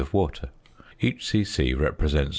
of water. Each c.c. represents 0.